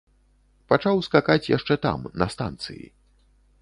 Пачаў скакаць яшчэ там, на станцыі.